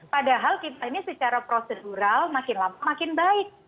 padahal kita ini secara prosedural makin lama makin baik